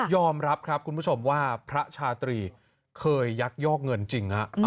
อมรับครับคุณผู้ชมว่าพระชาตรีเคยยักยอกเงินจริงฮะ